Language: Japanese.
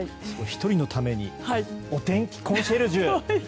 １人のためにお天気コンシェルジュ！